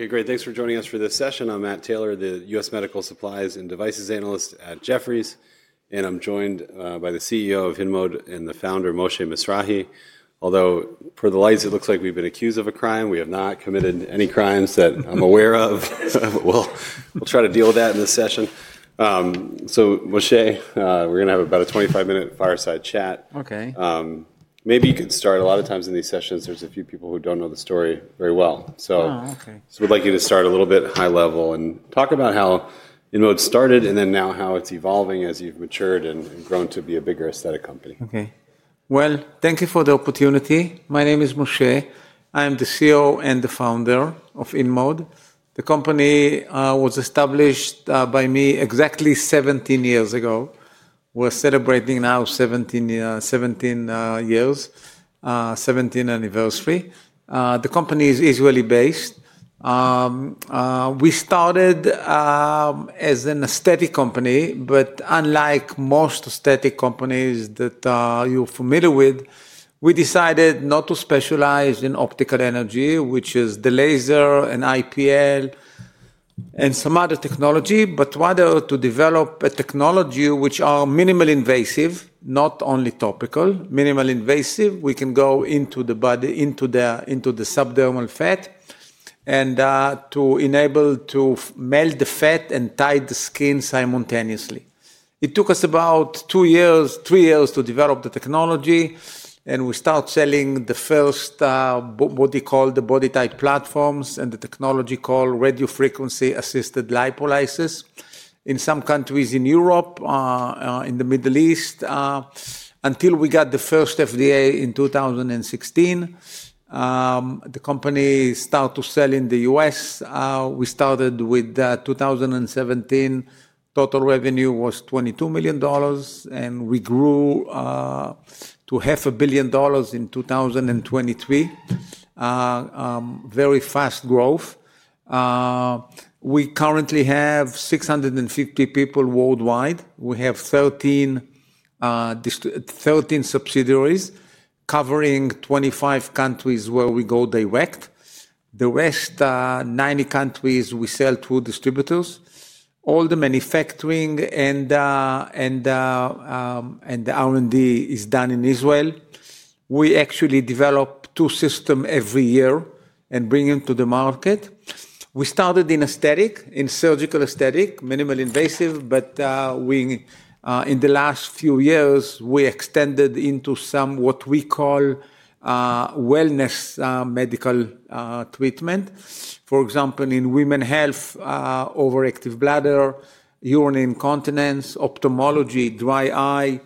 Okay, great. Thanks for joining us for this session. I'm Matt Taylor, the U.S. Medical Supplies and Devices Analyst at Jefferies, and I'm joined by the CEO of InMode and the founder, Moshe Mizrahy. Although, per the lights, it looks like we've been accused of a crime. We have not committed any crimes that I'm aware of. We'll try to deal with that in this session. Moshe, we're going to have about a 25-minute fireside chat. Okay. Maybe you could start. A lot of times in these sessions, there's a few people who don't know the story very well. Oh, okay. We'd like you to start a little bit high level and talk about how InMode started and then now how it's evolving as you've matured and grown to be a bigger aesthetic company. Okay. Thank you for the opportunity. My name is Moshe. I am the CEO and the founder of InMode. The company was established by me exactly 17 years ago. We're celebrating now 17 years, 17th anniversary. The company is Israeli-based. We started as an aesthetic company, but unlike most aesthetic companies that you're familiar with, we decided not to specialize in optical energy, which is the laser and IPL and some other technology, but rather to develop a technology which is minimally invasive, not only topical. Minimally invasive, we can go into the body, into the subdermal fat and to enable to melt the fat and tie the skin simultaneously. It took us about two years, three years to develop the technology, and we started selling the first what they call the BodyTite platforms and the technology called Radio Frequency Assisted Lipolysis in some countries in Europe, in the Middle East, until we got the first FDA in 2016. The company started selling in the U.S. We started with 2017. Total revenue was $22 million, and we grew to $500,000,000 in 2023. Very fast growth. We currently have 650 people worldwide. We have 13 subsidiaries covering 25 countries where we go direct. The rest, 90 countries, we sell to distributors. All the manufacturing and the R&D is done in Israel. We actually develop two systems every year and bring them to the market. We started in aesthetic, in surgical aesthetic, minimally invasive, but in the last few years, we extended into some what we call wellness medical treatment. For example, in women's health, overactive bladder, urinary incontinence, ophthalmology, dry eye,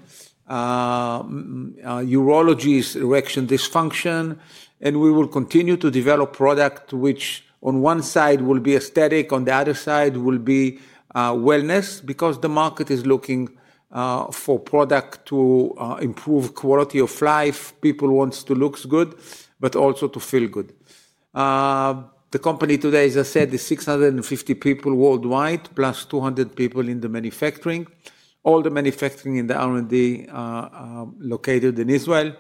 urology, erection dysfunction, and we will continue to develop products which, on one side, will be aesthetic; on the other side, will be wellness because the market is looking for products to improve quality of life. People want to look good, but also to feel good. The company today, as I said, is 650 people worldwide, plus 200 people in the manufacturing. All the manufacturing and the R&D are located in Israel.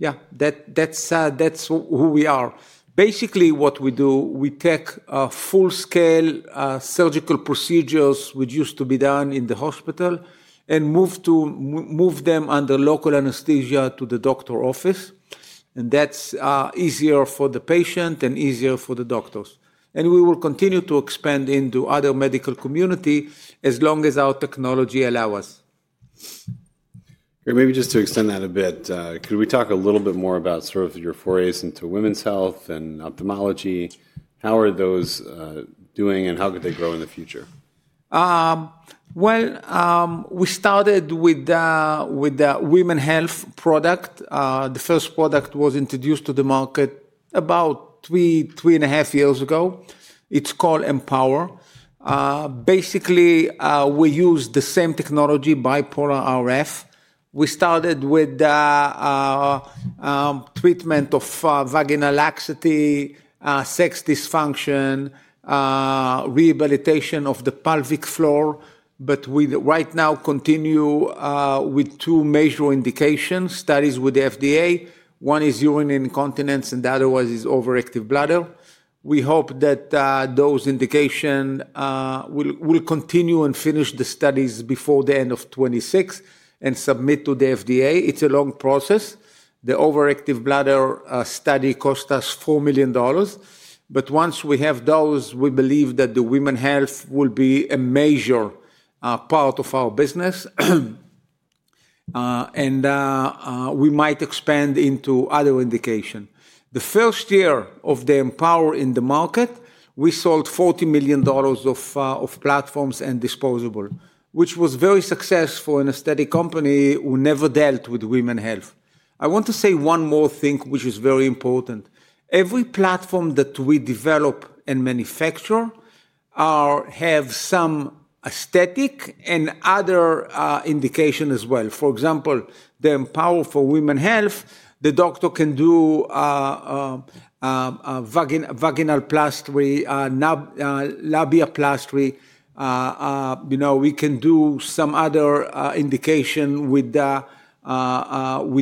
Yeah, that's who we are. Basically, what we do, we take full-scale surgical procedures which used to be done in the hospital and move them under local anesthesia to the doctor's office. That is easier for the patient and easier for the doctors. We will continue to expand into other medical communities as long as our technology allows us. Okay, maybe just to extend that a bit, could we talk a little bit more about sort of your forays into women's health and ophthalmology? How are those doing, and how could they grow in the future? We started with the women's health product. The first product was introduced to the market about three, three and a half years ago. It's called Empower. Basically, we use the same technology, Bipolar RF. We started with treatment of vaginal laxity, sex dysfunction, rehabilitation of the pelvic floor, but we right now continue with two major indication studies, with the FDA. One is urinary incontinence, and the other one is overactive bladder. We hope that those indications will continue and finish the studies before the end of 2026 and submit to the FDA. It's a long process. The overactive bladder study cost us $4 million, but once we have those, we believe that the women's health will be a major part of our business, and we might expand into other indications. The first year of the Empower in the market, we sold $40 million of platforms and disposables, which was a very successful and aesthetic company who never dealt with women's health. I want to say one more thing, which is very important. Every platform that we develop and manufacture has some aesthetic and other indications as well. For example, the Empower for women's health, the doctor can do vaginal plasty, labia plasty. You know, we can do some other indications with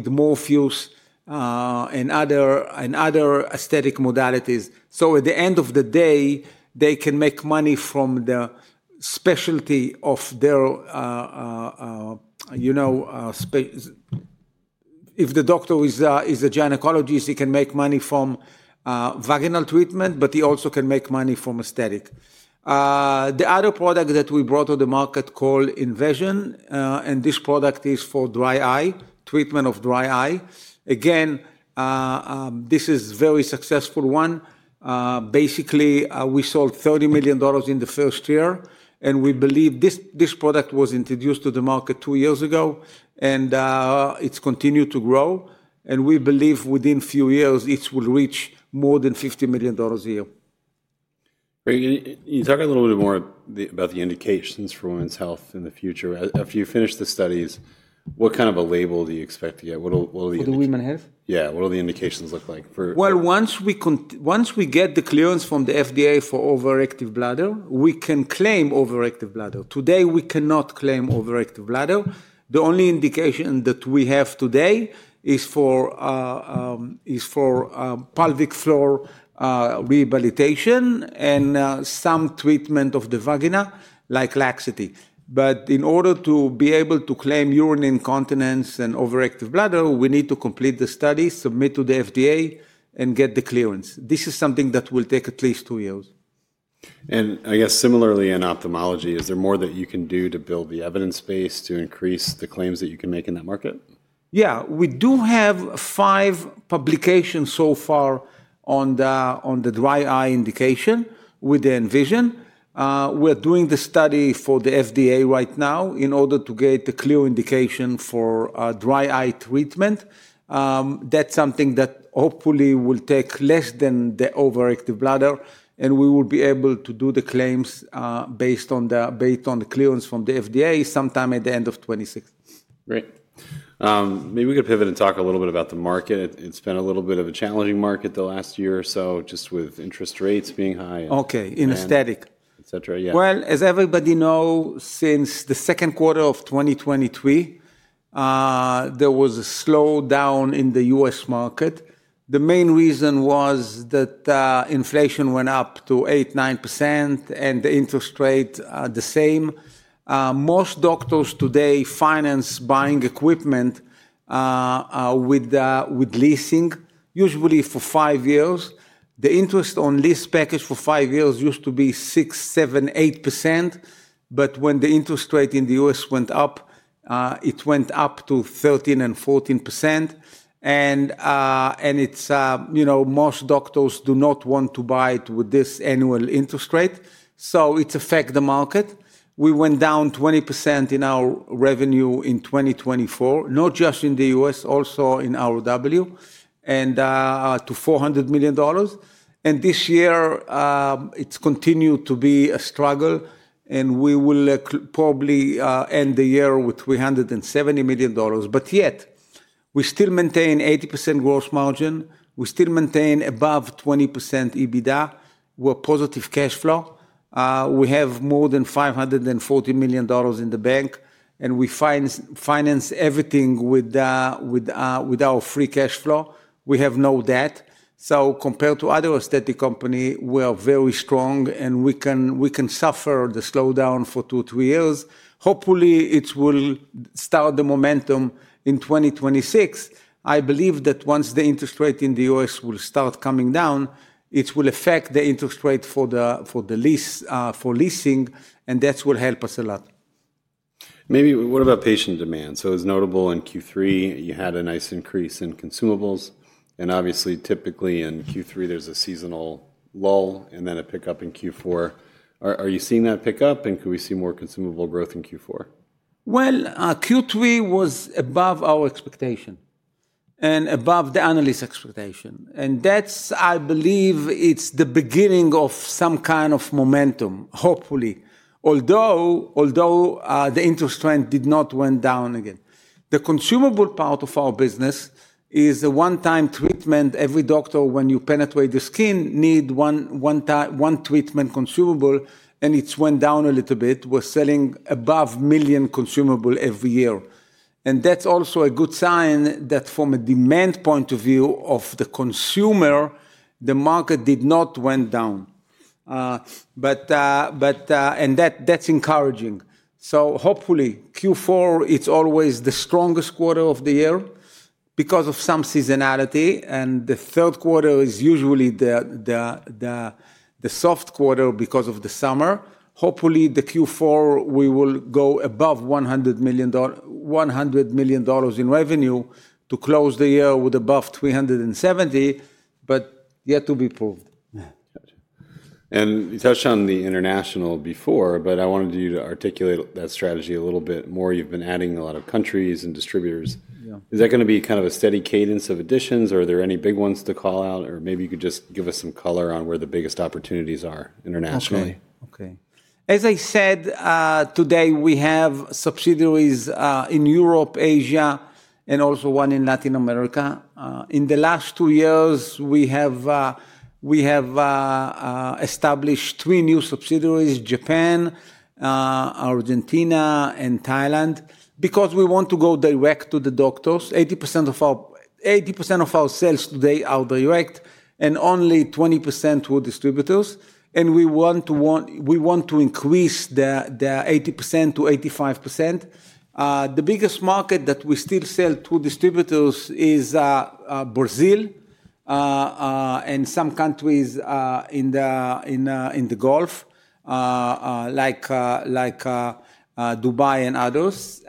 Morpheus and other aesthetic modalities. At the end of the day, they can make money from the specialty of their, you know, if the doctor is a gynecologist, he can make money from vaginal treatment, but he also can make money from aesthetic. The other product that we brought to the market is called InVision, and this product is for dry eye, treatment of dry eye. Again, this is a very successful one. Basically, we sold $30 million in the first year, and we believe this product was introduced to the market two years ago, and it has continued to grow. We believe within a few years, it will reach more than $50 million a year. Can you talk a little bit more about the indications for women's health in the future? After you finish the studies, what kind of a label do you expect to get? For the women's health? Yeah. What do the indications look like for? Once we get the clearance from the FDA for overactive bladder, we can claim overactive bladder. Today, we cannot claim overactive bladder. The only indication that we have today is for pelvic floor rehabilitation and some treatment of the vagina, like laxity. In order to be able to claim urinary incontinence and overactive bladder, we need to complete the studies, submit to the FDA, and get the clearance. This is something that will take at least two years. I guess similarly in ophthalmology, is there more that you can do to build the evidence base to increase the claims that you can make in that market? Yeah, we do have five publications so far on the dry eye indication with InVision. We're doing the study for the FDA right now in order to get a clear indication for dry eye treatment. That's something that hopefully will take less than the overactive bladder, and we will be able to do the claims based on the clearance from the FDA sometime at the end of 2026. Great. Maybe we could pivot and talk a little bit about the market. It's been a little bit of a challenging market the last year or so, just with interest rates being high. Okay, in aesthetic. Et cetera, yeah. As everybody knows, since the second quarter of 2023, there was a slowdown in the U.S. market. The main reason was that inflation went up to 8%–9%, and the interest rate the same. Most doctors today finance buying equipment with leasing, usually for five years. The interest on lease packages for five years used to be 6%, 7%, 8%, but when the interest rate in the U.S. went up, it went up to 13% and 14%. You know, most doctors do not want to buy it with this annual interest rate. It affects the market. We went down 20% in our revenue in 2024, not just in the U.S., also in AUW, and to $400 million. This year, it has continued to be a struggle, and we will probably end the year with $370 million. Yet, we still maintain an 80% gross margin. We still maintain above 20% EBITDA. We're positive cash flow. We have more than $540 million in the bank, and we finance everything with our free cash flow. We have no debt. Compared to other aesthetic companies, we are very strong, and we can suffer the slowdown for two, three years. Hopefully, it will start the momentum in 2026. I believe that once the interest rate in the U.S. will start coming down, it will affect the interest rate for the leasing, and that will help us a lot. Maybe what about patient demand? It was notable in Q3, you had a nice increase in consumables. Obviously, typically in Q3, there is a seasonal lull and then a pickup in Q4. Are you seeing that pickup, and could we see more consumable growth in Q4? Q3 was above our expectation and above the analysts' expectation. I believe it's the beginning of some kind of momentum, hopefully. Although the interest rate did not go down again. The consumable part of our business is a one-time treatment. Every doctor, when you penetrate the skin, needs one treatment consumable, and it went down a little bit. We're selling above a million consumables every year. That's also a good sign that from a demand point of view of the consumer, the market did not go down. That's encouraging. Hopefully, Q4, it's always the strongest quarter of the year because of some seasonality, and the third quarter is usually the soft quarter because of the summer. Hopefully, Q4, we will go above $100 million in revenue to close the year with above $370 million, but yet to be proved. Gotcha. You touched on the international before, but I wanted you to articulate that strategy a little bit more. You've been adding a lot of countries and distributors. Is that going to be kind of a steady cadence of additions, or are there any big ones to call out, or maybe you could just give us some color on where the biggest opportunities are internationally? Okay. As I said, today we have subsidiaries in Europe, Asia, and also one in Latin America. In the last two years, we have established three new subsidiaries: Japan, Argentina, and Thailand, because we want to go direct to the doctors. 80% of our sales today are direct, and only 20% through distributors. We want to increase the 80% to 85%. The biggest market that we still sell to distributors is Brazil and some countries in the Gulf, like Dubai and others.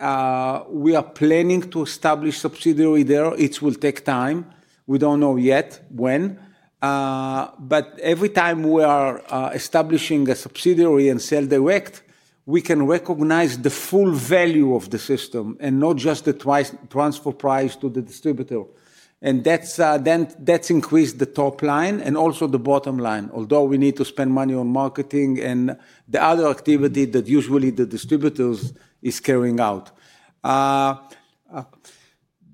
We are planning to establish a subsidiary there. It will take time. We do not know yet when. Every time we are establishing a subsidiary and sell direct, we can recognize the full value of the system and not just the transfer price to the distributor. That's increased the top line and also the bottom line, although we need to spend money on marketing and the other activity that usually the distributors are carrying out.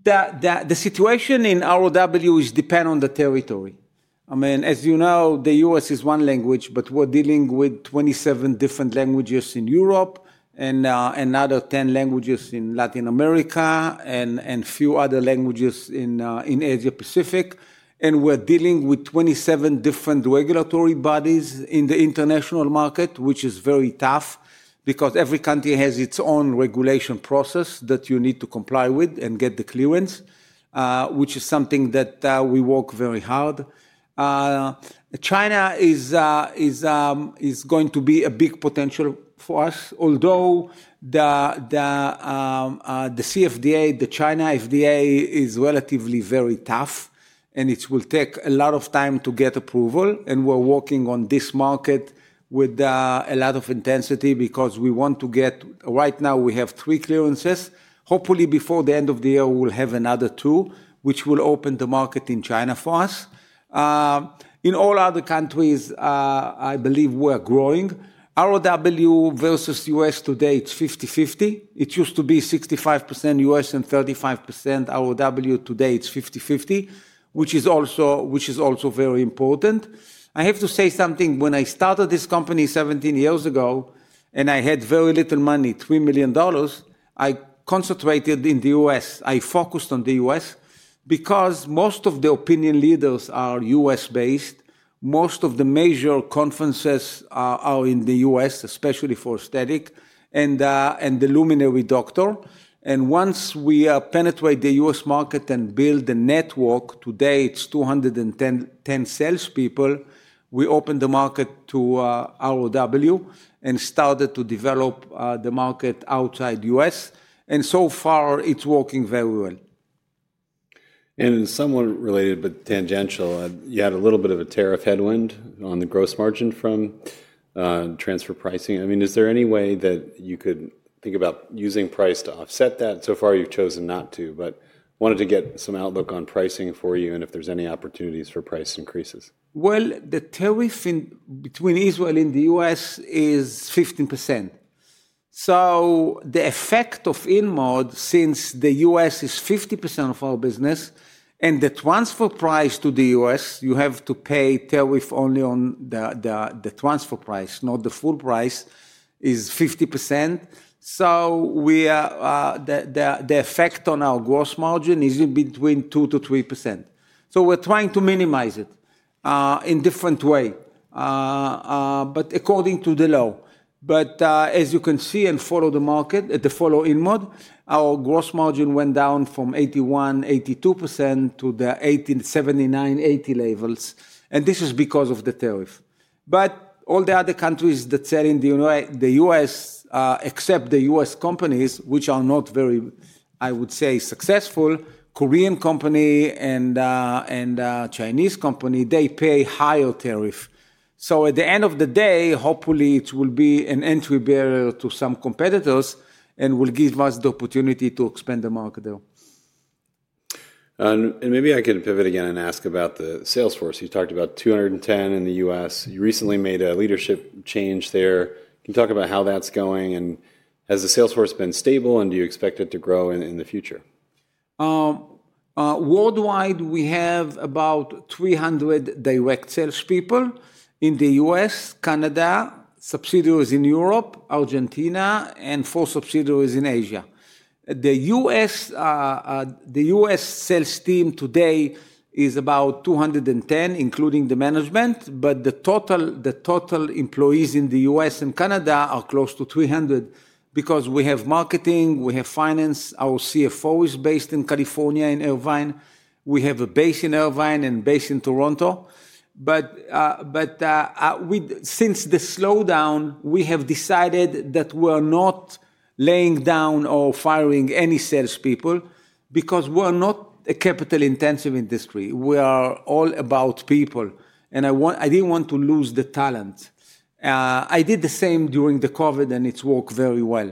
The situation in AUW depends on the territory. I mean, as you know, the U.S. is one language, but we're dealing with 27 different languages in Europe and another 10 languages in Latin America and a few other languages in Asia-Pacific. We're dealing with 27 different regulatory bodies in the international market, which is very tough because every country has its own regulation process that you need to comply with and get the clearance, which is something that we work very hard on. China is going to be a big potential for us, although the CFDA, the China FDA, is relatively very tough, and it will take a lot of time to get approval. We're working on this market with a lot of intensity because we want to get, right now, we have three clearances. Hopefully, before the end of the year, we'll have another two, which will open the market in China for us. In all other countries, I believe we're growing. AUW versus U.S. today, it's 50-50. It used to be 65% U.S. and 35% AUW. Today, it's 50-50, which is also very important. I have to say something. When I started this company 17 years ago and I had very little money, $3 million, I concentrated in the U.S. I focused on the U.S. because most of the opinion leaders are U.S.-based. Most of the major conferences are in the U.S., especially for aesthetic and the luminary doctor. Once we penetrate the U.S. market and build a network, today it's 210 salespeople, we opened the market to AUW and started to develop the market outside the U.S. And so far, it's working very well. Somewhat related, but tangential, you had a little bit of a tariff headwind on the gross margin from transfer pricing. I mean, is there any way that you could think about using price to offset that? So far, you've chosen not to, but wanted to get some outlook on pricing for you and if there's any opportunities for price increases. The tariff between Israel and the U.S. is 15%. The effect on InMode, since the U.S. is 50% of our business and the transfer price to the U.S., you have to pay tariff only on the transfer price, not the full price, is 50%. The effect on our gross margin is between 2%-3%. We are trying to minimize it in different ways, but according to the law. As you can see and follow the market, follow InMode, our gross margin went down from 81%, 82% to the 79%, 80% levels. This is because of the tariff. All the other countries that sell in the U.S., except the U.S. companies, which are not very, I would say, successful, Korean company and Chinese company, they pay a higher tariff. At the end of the day, hopefully, it will be an entry barrier to some competitors and will give us the opportunity to expand the market there. Maybe I can pivot again and ask about the Salesforce. You talked about 210 in the U.S. You recently made a leadership change there. Can you talk about how that's going? Has the Salesforce been stable, and do you expect it to grow in the future? Worldwide, we have about 300 direct salespeople in the U.S., Canada, subsidiaries in Europe, Argentina, and four subsidiaries in Asia. The U.S. sales team today is about 210, including the management, but the total employees in the U.S. and Canada are close to 300 because we have marketing, we have finance. Our CFO is based in California, in Irvine. We have a base in Irvine and a base in Toronto. Since the slowdown, we have decided that we're not laying down or firing any salespeople because we're not a capital-intensive industry. We are all about people, and I didn't want to lose the talent. I did the same during the COVID, and it's worked very well.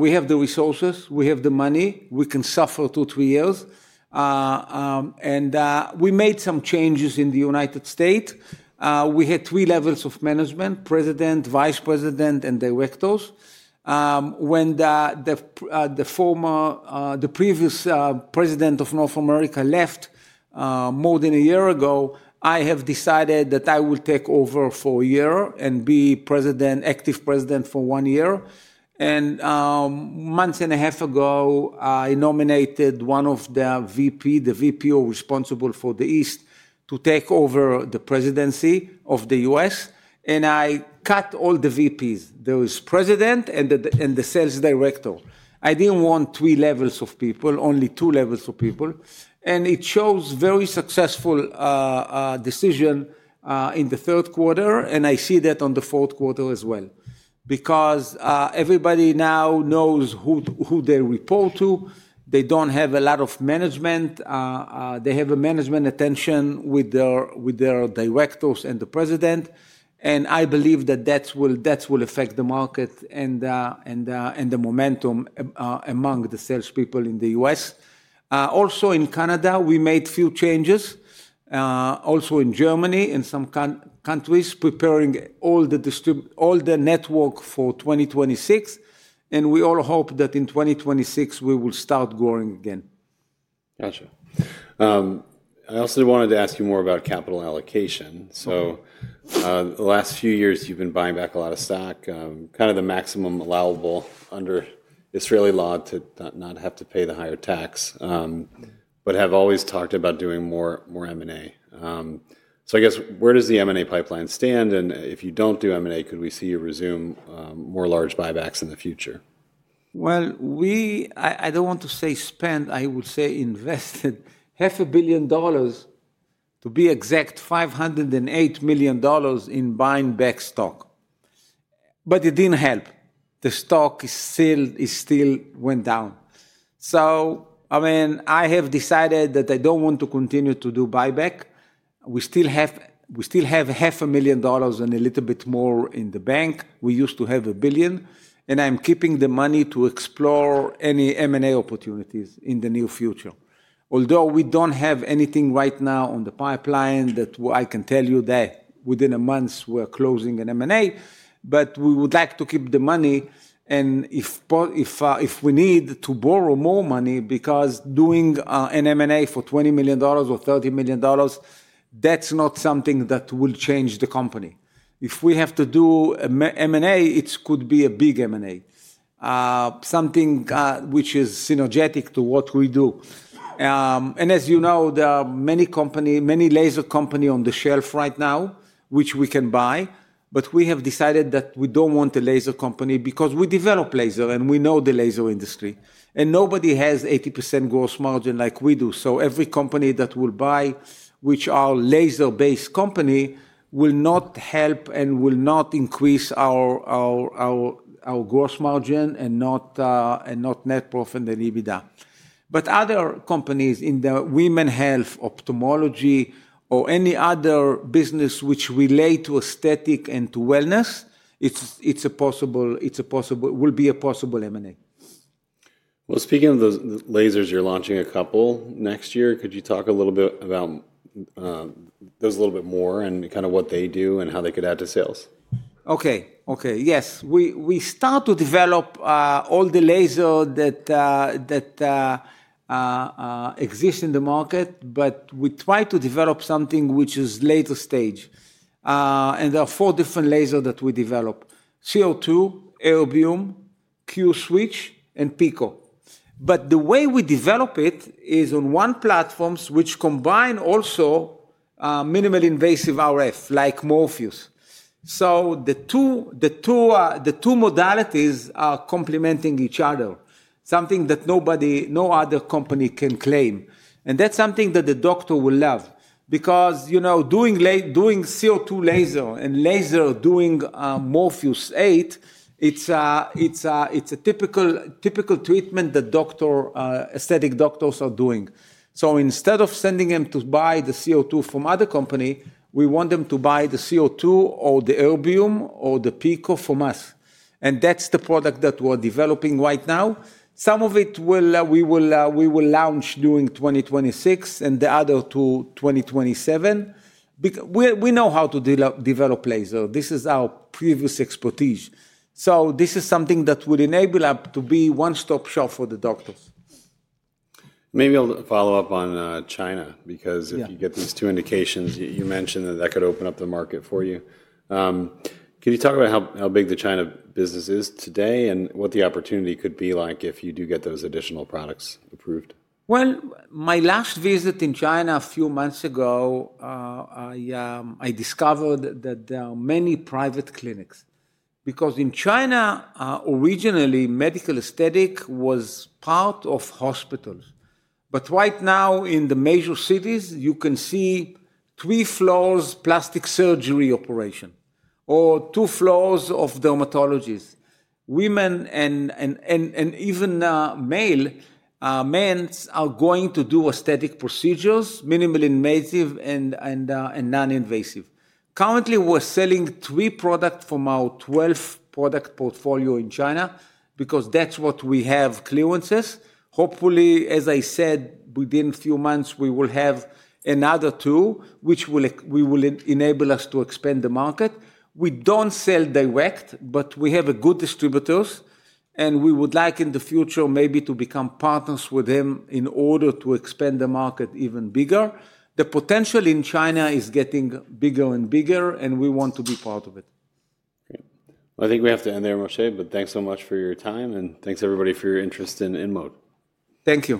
We have the resources, we have the money, we can suffer two or three years. We made some changes in the United States. We had three levels of management: President, Vice President, and directors. When the previous President of North America left more than a year ago, I have decided that I will take over for a year and be President, active President for one year. A month and a half ago, I nominated one of the VPs, the VP responsible for the East, to take over the presidency of the U.S. I cut all the VPs. There was President and the Sales Director. I did not want three levels of people, only two levels of people. It shows a very successful decision in the third quarter, and I see that in the fourth quarter as well because everybody now knows who they report to. They do not have a lot of management. They have management attention with their directors and the President. I believe that that will affect the market and the momentum among the salespeople in the U.S. Also, in Canada, we made a few changes, also in Germany and some countries, preparing all the network for 2026. We all hope that in 2026, we will start growing again. Gotcha. I also wanted to ask you more about capital allocation. The last few years, you've been buying back a lot of stock, kind of the maximum allowable under Israeli law to not have to pay the higher tax, but have always talked about doing more M&A. I guess, where does the M&A pipeline stand? If you don't do M&A, could we see you resume more large buybacks in the future? I do not want to say spent. I would say invested half a billion dollars, to be exact $508 million, in buying back stock. It did not help. The stock still went down. I mean, I have decided that I do not want to continue to do buyback. We still have $500,000 and a little bit more in the bank. We used to have a billion. I am keeping the money to explore any M&A opportunities in the near future. Although we do not have anything right now on the pipeline that I can tell you that within a month, we are closing an M&A, we would like to keep the money. If we need to borrow more money, because doing an M&A for $20 million or $30 million, that is not something that will change the company. If we have to do an M&A, it could be a big M&A, something which is synergetic to what we do. And as you know, there are many companies, many laser companies on the shelf right now, which we can buy. We have decided that we do not want a laser company because we develop laser and we know the laser industry. Nobody has 80% gross margin like we do. Every company that we will buy, which are laser-based companies, will not help and will not increase our gross margin and not net profit and EBITDA. Other companies in the women's health, ophthalmology, or any other business which relate to aesthetic and to wellness, it will be a possible M&A. Speaking of the lasers, you're launching a couple next year. Could you talk a little bit about those a little bit more and kind of what they do and how they could add to sales? Okay. Okay. Yes. We start to develop all the lasers that exist in the market, but we try to develop something which is later stage. There are four different lasers that we develop: CO2, Erbium, Q-Switch, and PICO. The way we develop it is on one platform, which combines also minimally invasive RF, like Morpheus. The two modalities are complementing each other, something that no other company can claim. That is something that the doctor will love because doing CO2 laser and laser doing Morpheus 8, it is a typical treatment that aesthetic doctors are doing. Instead of sending them to buy the CO2 from other companies, we want them to buy the CO2 or the Erbium or the PICO from us. That is the product that we are developing right now. Some of it we will launch during 2026 and the other two in 2027. We know how to develop laser. This is our previous expertise. This is something that will enable us to be a one-stop shop for the doctors. Maybe I'll follow up on China because if you get these two indications, you mentioned that that could open up the market for you. Can you talk about how big the China business is today and what the opportunity could be like if you do get those additional products approved? My last visit in China a few months ago, I discovered that there are many private clinics because in China, originally, medical aesthetic was part of hospitals. Right now, in the major cities, you can see three floors of plastic surgery operations or two floors of dermatologies. Women and even men are going to do aesthetic procedures, minimally invasive and non-invasive. Currently, we're selling three products from our 12-product portfolio in China because that's what we have clearances. Hopefully, as I said, within a few months, we will have another two, which will enable us to expand the market. We don't sell direct, but we have good distributors. We would like, in the future, maybe to become partners with them in order to expand the market even bigger. The potential in China is getting bigger and bigger, and we want to be part of it. Great. I think we have to end there, Moshe, but thanks so much for your time. Thanks, everybody, for your interest in InMode. Thank you.